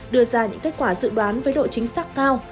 đưa ra những kết quả dự đoán với độ chính xác cao